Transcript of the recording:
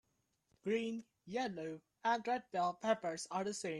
Green, yellow and red bell peppers are the same.